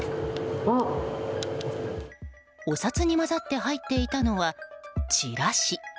お札に交ざって入っていたのはチラシ。